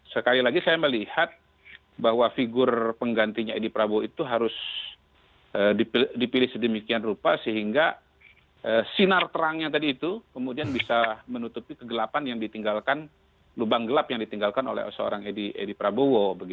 sekali lagi saya melihat bahwa figur penggantinya edi prabowo itu harus dipilih sedemikian rupa sehingga sinar terangnya tadi itu kemudian bisa menutupi kegelapan yang ditinggalkan lubang gelap yang ditinggalkan oleh seorang edi prabowo